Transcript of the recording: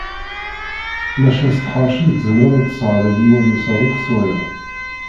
Maca s tḥerci tzemreḍ ad tesseɣliḍ yiwen n usaḍuf s wayeḍ.